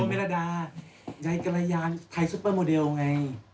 มิรดายายกรยานไทยซุปเปอร์โมเดลไง